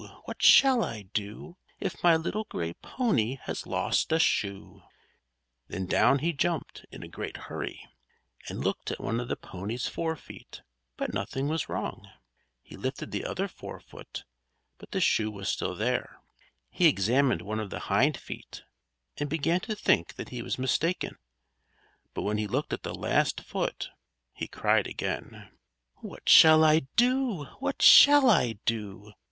What shall I do? If my little gray pony has lost a shoe_?" Then down he jumped, in a great hurry, and looked at one of the pony's fore feet; but nothing was wrong. He lifted the other forefoot, but the shoe was still there. He examined one of the hindfeet, and began to think that he was mistaken; but when he looked at the last foot, he cried again: "_What shall I do? What shall I do?